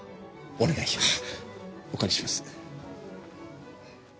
お借りします。